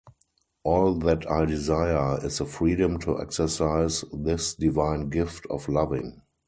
All that I desire is the freedom to exercise this divine gift of loving.